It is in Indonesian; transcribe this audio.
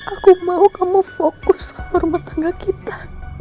aku mau kamu fokus ke rumah tangga kita